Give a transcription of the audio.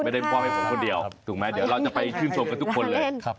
ไม่ได้พบให้ผมคนเดียวถูกไหมเราจะไปชื่นชมกันทุกคนเลยครับผมครับ